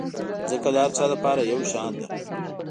مځکه د هر چا لپاره یو شان ده.